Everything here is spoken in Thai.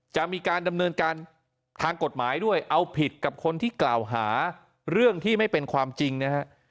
จะมีการดำเนินการทางกฎหมายด้วยเอาผิดกับคนที่กล่าวหาเรื่องที่ไม่เป็นความจริงนะฮะ